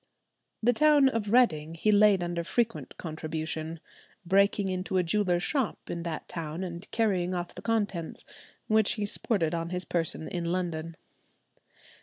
The town of Reading he laid under frequent contribution, breaking into a jeweller's shop in that town and carrying off the contents, which he sported on his person in London.